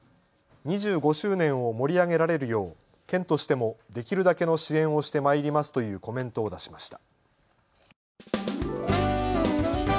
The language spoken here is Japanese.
２５周年を盛り上げられるよう県としてもできるだけの支援をしてまいりますというコメントを出しました。